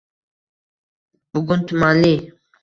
Bugun tumanli